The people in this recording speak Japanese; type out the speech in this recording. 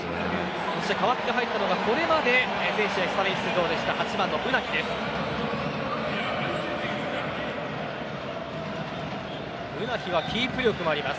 代わって入ったのが、これまで全試合スタメン出場だった８番のウナヒです。